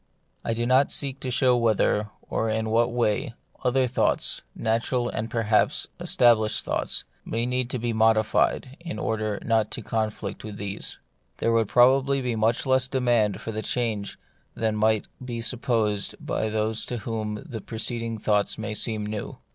I do not seek to show whether, or in what way, other thoughts, natural and perhaps established thoughts, might need to be modi fied in order not to conflict with these. There would probably be much less demand for change than might be supposed by those to whom the preceding thoughts may seem new.